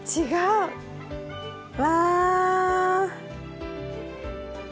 違う！わ！